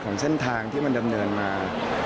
เส้นทางที่มันดำเนินมา